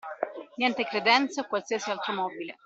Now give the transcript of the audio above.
Niente credenze o qualsiasi altro mobile.